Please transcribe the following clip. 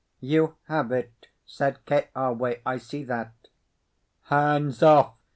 "You have it," said Keawe. "I see that." "Hands off!"